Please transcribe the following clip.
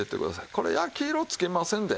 これ焼き色つけませんで。